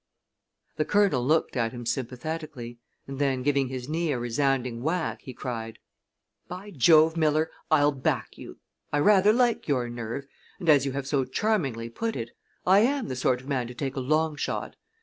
The Colonel looked at him sympathetically, and then, giving his knee a resounding whack, he cried: "By Jove, Miller, I'll back you! I rather like your nerve, and, as you have so charmingly put it, I am the sort of man to take a long shot.